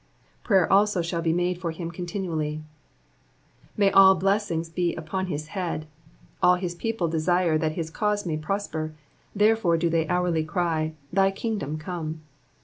''*' Prayer also shall be made for him continuaUy.'" May all blessings be upon his head ; all his people desire that his cause may prosper, therefore do they hourly cry, Thy kingdom come."